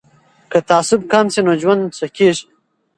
که تعصب کم سي نو ژوند ښه کیږي.